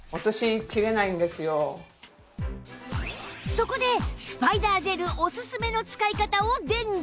そこでスパイダージェルオススメの使い方を伝授